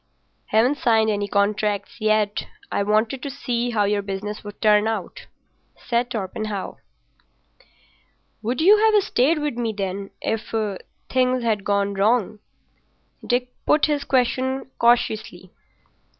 "Haven't signed any contracts yet. I wanted to see how your business would turn out." "Would you have stayed with me, then, if—things had gone wrong?" He put his question cautiously.